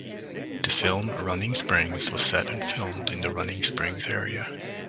The film "Running Springs" was set and filmed in the Running Springs area.